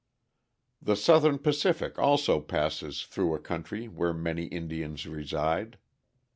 The Southern Pacific also passes through a country where many Indians reside.